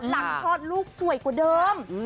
คลอดลูกสวยกว่าเดิม